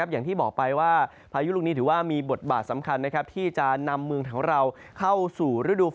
อย่างที่บอกไปว่าพายุลูกนี้ถือว่ามีบทบาทสำคัญที่จะนำเมืองของเราเข้าสู่ฤดูฝน